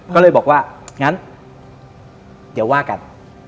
ก็เลยบอกว่างั้นเดี๋ยวว่ากัน